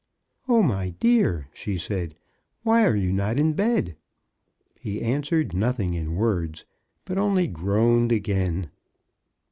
''O my dear," she said, ''why are you not in bed?" He answered nothing in words, but only groaned again.